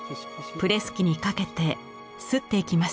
プレス機にかけて刷っていきます。